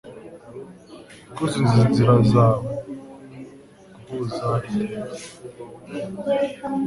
Kuzuza inzira yawe - guhuza iteka: